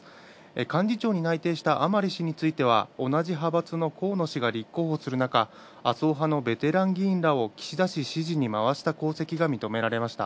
幹事長に内定した甘利氏については同じ派閥の河野氏が立候補する中、麻生派のベテラン議員など岸田氏支持に回した功績が認められました。